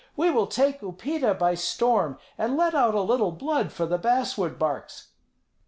We will take Upita by storm, and let out a little blood for the basswood barks."